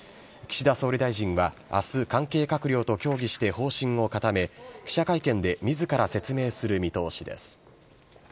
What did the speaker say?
岸田総理大臣はあす、関係閣僚と協議して方針を固め、記者会見でみずから説明する見通しです。